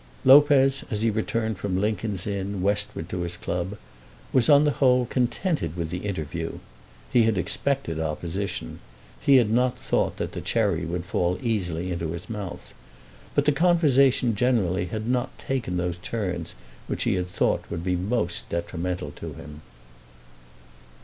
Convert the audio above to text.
Lopez, as he returned from Lincoln's Inn, westward to his club, was, on the whole, contented with the interview. He had expected opposition. He had not thought that the cherry would fall easily into his mouth. But the conversation generally had not taken those turns which he had thought would be most detrimental to him.